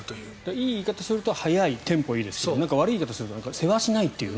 いい言い方をすると早い、テンポがいいですけど悪い言い方をするとせわしないという。